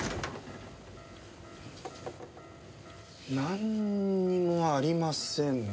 なんにもありませんね。